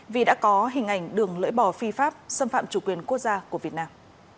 vì đã có hình ảnh đường lưỡi bò phi pháp xâm phạm chủ quyền quốc gia của việt nam